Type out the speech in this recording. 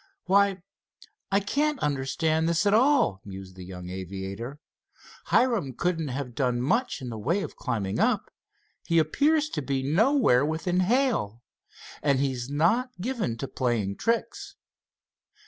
"Why, I can't understand this at all," mused the young aviator. "Hiram couldn't have done much in the way of climbing up, he appears to be nowhere within hail, and he is not given to play tricks."